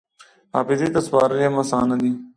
حافظې ته سپارل یې هم اسانه دي.